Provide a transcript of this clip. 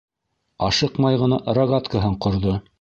Ашыҡмай ғына рогаткаһын ҡорҙо.